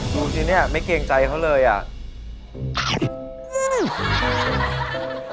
ดูสิเนี่ยไม่เกรงใจเขาเลยอ่ะ